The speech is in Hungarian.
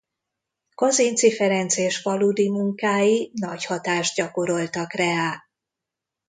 Kazinczy Ferenc és Faludi munkái nagy hatást gyakoroltak reá.